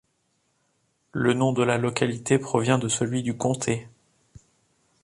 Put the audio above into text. Le nom de la localité provient de celui du comté.